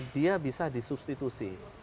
dia bisa disubstitusi